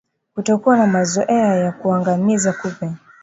Kutokuwa na mazoea ya kuangamiza kupe